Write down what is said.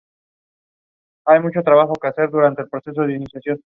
Con el conjunto, grabó varios discos y viajó por Argentina.